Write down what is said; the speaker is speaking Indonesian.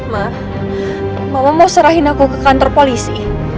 mak mama mau serahin aku ke kantor polisi